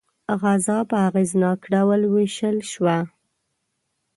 غذا په اغېزناک ډول وویشل شوه.